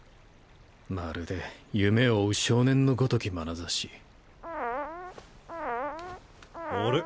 まるで夢を追う少年の如き眼差しあれ？